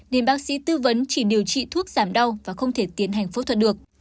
nên bác sĩ tư vấn chỉ điều trị thuốc giảm đau và không thể tiến hành phẫu thuật được